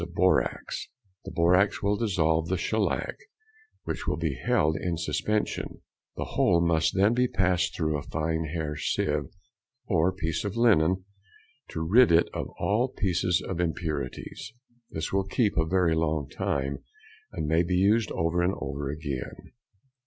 of borax; the borax will dissolve the shellac, which will be held in suspension; the whole must then be passed through a fine hair sieve, or piece of linen, to rid it of all pieces or impurities. This will keep a very long time, and may be used over and over again.